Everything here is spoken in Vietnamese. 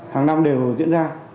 hàng năm đều diễn ra